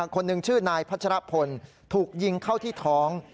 คนหนึ่งชื่อนายพัชรพลถูกยิงเข้าที่ท้อง